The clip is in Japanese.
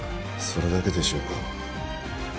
それだけでしょうか？